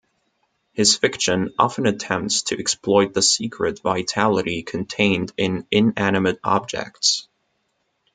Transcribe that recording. His fiction often attempts to exploit the secret vitality contained in inanimate objects.